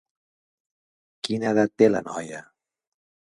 Quina edat té la noia?